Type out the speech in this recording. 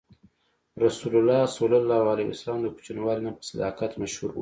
رسول الله ﷺ د کوچنیوالي نه په صداقت مشهور و.